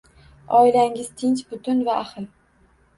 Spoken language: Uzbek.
Oilangiz tinch, butun va ahil.